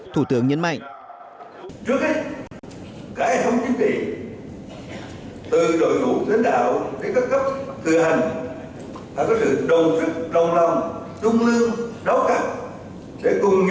thủ tướng nhấn mạnh